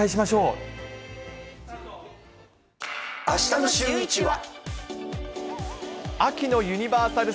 ね、あしたのシューイチは。